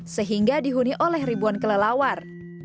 sehingga dihuni oleh ribuan kelelawar